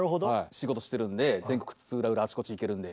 仕事してるんで全国津々浦々あちこち行けるんで。